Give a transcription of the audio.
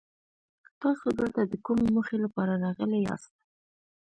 تاسو دلته د کومې موخې لپاره راغلي ياست؟